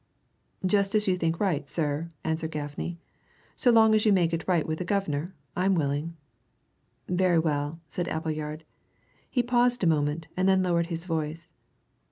"Just as you think right, sir," answered Gaffney. "So long as you make it right with the guv'nor, I'm willing." "Very well," said Appleyard. He paused a moment, and then lowered his voice.